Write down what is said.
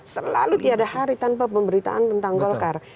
selalu tiada hari tanpa pemberitaan tentang golkar